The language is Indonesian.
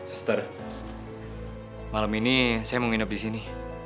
suster malem ini saya mau nginep disini